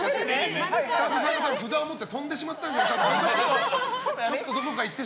スタッフさんが札を持って飛んでしまったんじゃないかと。